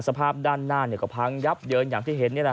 สภาพด้านหน้าก็พังยับเยินอย่างที่เห็น